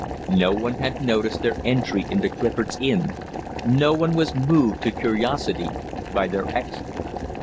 No one had noticed their entry into Clifford's Inn; no one was moved to curiosity by their exit.